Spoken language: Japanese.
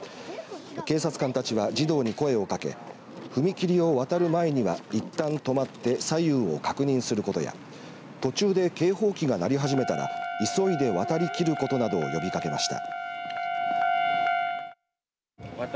警察官たちは児童に声をかけ踏切を渡る前にはいったん止まって左右を確認することや途中で警報機が鳴り始めたら急いで渡りきることなどを呼びかけました。